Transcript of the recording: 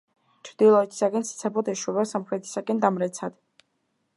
ჩრდილოეთისაკენ ციცაბოდ ეშვება, სამხრეთისაკენ— დამრეცად.